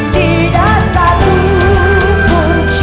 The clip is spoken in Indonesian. tidak satu punculanmu akan bahagia